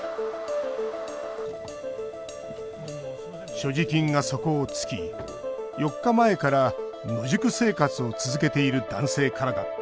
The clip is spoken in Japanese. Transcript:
所持金が底をつき４日前から野宿生活を続けている男性からだった